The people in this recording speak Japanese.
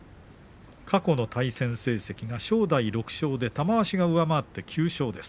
過去の対戦成績は正代６勝で玉鷲が上回って９勝です。